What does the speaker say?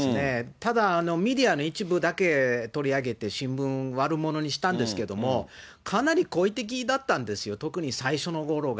ただメディアの一部だけ取り上げて、新聞、悪者にしたんですけども、かなり好意的だったんですよ、特に最初のころが。